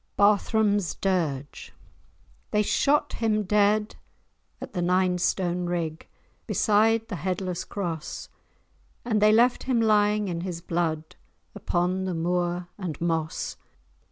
*BARTHRAM'S DIRGE* They shot him dead at the Nine Stone Rig, Beside the Headless Cross, And they left him lying in his blood, Upon the moor and moss.